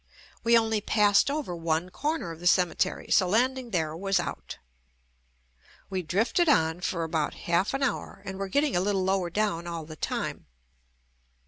We only passed over one corner of the ceme tery, so landing there was out. We drifted on for about half an hour and were getting a little lower down all the time.